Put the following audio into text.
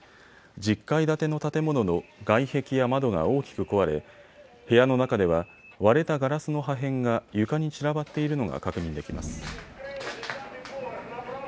１０階建ての建物の外壁や窓が大きく壊れ、部屋の中では割れたガラスの破片が床に散らばっているのが確認できます。